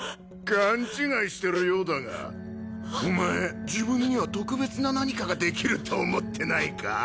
勘違いしてるようだがお前自分には特別な何かができると思ってないか？